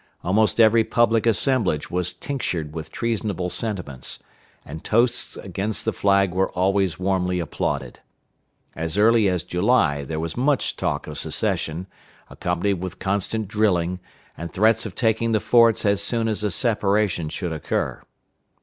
Almost every public assemblage was tinctured with treasonable sentiments, and toasts against the flag were always warmly applauded. As early as July there was much talk of secession, accompanied with constant drilling, and threats of taking the forts as soon as a separation should occur.